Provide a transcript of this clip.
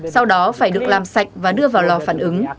sau đó phải được làm sạch và đưa vào lò phản ứng